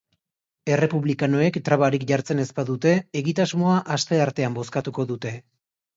Errepublikanoek trabarik jartzen ez badute, egitasmoa asteartean bozkatuko dute.